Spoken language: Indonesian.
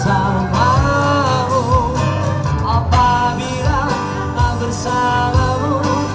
apa bilang tak bersamamu